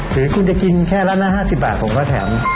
ถือว่าคุณจะกินแค่ละละ๕๐บาทผมว่าแถม